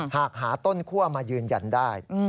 หากหาต้นคั่วมายืนยันได้